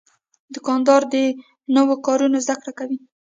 دوکاندار د نوو کارونو زدهکړه کوي.